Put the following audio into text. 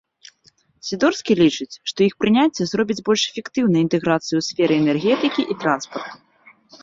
Сідорскі лічыць, што іх прыняцце зробіць больш эфектыўнай інтэграцыю ў сферы энергетыкі і транспарту.